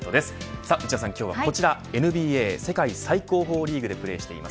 さあ内田さん、今日はこちらＮＢＡ世界最高峰リーグでプレーしています